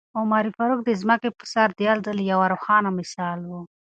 عمر فاروق د ځمکې په سر د عدل یو روښانه مثال و.